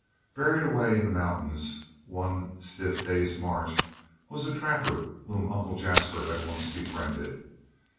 Buried away in the mountains, one stiff day's march, was a trapper whom Uncle Jasper had once befriended.